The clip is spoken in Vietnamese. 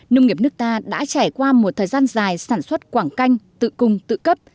nông nghiệp nước ta đã trải qua một thời gian dài sản xuất quảng canh tự cung tự cấp